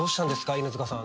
犬塚さん。